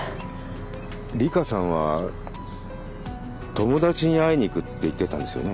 里香さんは友達に会いに行くって言ってたんですよね？